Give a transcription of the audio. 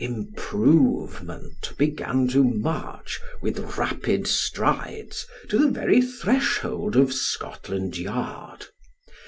Improve ments began to march with rapid strides to the very threshold of Scotland Yard.